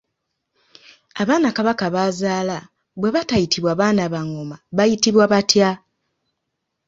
Abaana Kabaka b’azaala bwe batayitibwa baana ba ngoma bayitibwa batya?